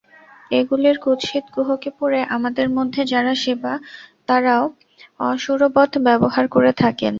এগুলির কুৎসিত কুহকে পড়ে আমাদের মধ্যে যাঁরা সেরা, তাঁরাও অসুরবৎ ব্যবহার করে থাকেন।